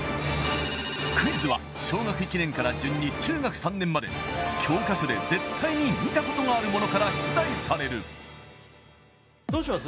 クイズは小学１年から順に中学３年まで教科書で絶対に見たことがあるものから出題されるどうします？